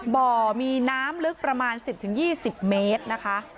บ่อมีน้ำลึกประมาณ๑๐๒๐เมตรนะคะ